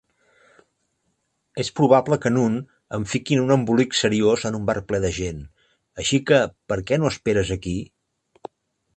És probable que Noone em fiqui en un embolic seriós en un bar ple de gent, així que per què no esperes aquí?